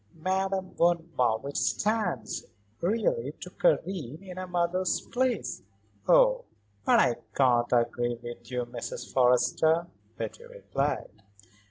Madame von Marwitz stands, really, to Karen in a mother's place." "Oh, but I can't agree with you, Mrs. Forrester," Betty replied.